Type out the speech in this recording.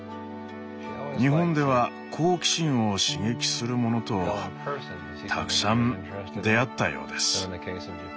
日本では好奇心を刺激するものとたくさん出会ったようです。